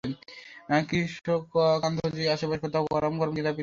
কৃস্ষকান্তজি, আশেপাশে কোথাও গরম গরম জিলাপি তৈরি হচ্ছে!